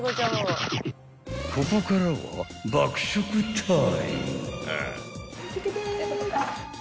［ここからは爆食タイム］